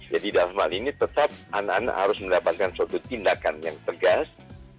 jadi dalam hal ini tetap anak anak harus mendapatkan suatu tindakan yang tegas